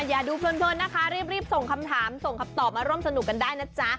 อย่าดูเพลินนะคะรีบส่งคำถามส่งคำตอบมาร่วมสนุกกันได้นะจ๊ะ